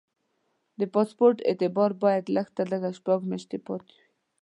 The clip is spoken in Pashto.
د پاسپورټ اعتبار باید لږ تر لږه شپږ میاشتې پاتې وي.